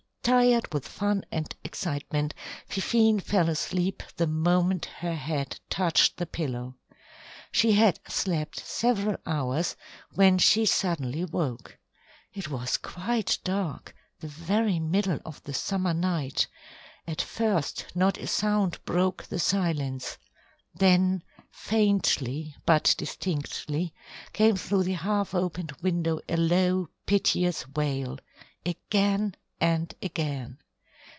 Tired with fun and excitement, Fifine fell asleep the moment her head touched the pillow. She had slept several hours when she suddenly woke. It was quite dark the very middle of the summer night at first not a sound broke the silence. Then faintly, but distinctly, came through the half opened window a low piteous wail again and again.